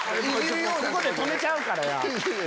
ここで止めちゃうから。